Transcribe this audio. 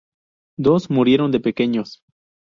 Dos murieron de pequeños.